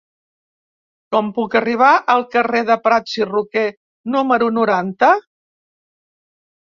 Com puc arribar al carrer de Prats i Roquer número noranta?